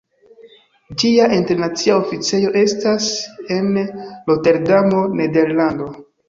Ĝia internacia oficejo estas en Roterdamo, Nederlando.